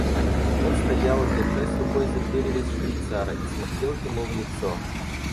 Он стоял, держась рукой за перевязь швейцара, и смотрел ему в лицо.